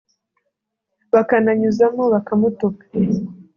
bakananyuzamo bakamutuka